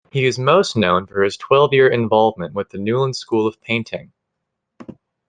He is most known for his twelve-year involvement with the Newlyn School of painting.